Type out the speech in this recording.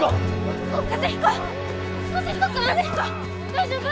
大丈夫？